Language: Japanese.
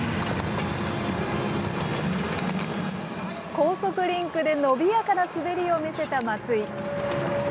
高速リンクでのびやかな滑りを見せた松井。